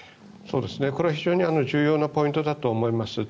これは非常に重要なポイントだと思います。